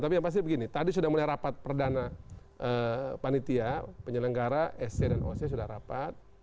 tapi yang pasti begini tadi sudah mulai rapat perdana panitia penyelenggara sc dan oc sudah rapat